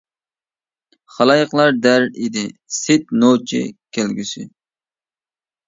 خالايىقلار دەر ئىدى سېيىت نوچى كەلگۈسى.